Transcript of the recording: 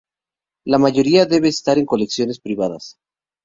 La mayoría debe estar en colecciones privadas.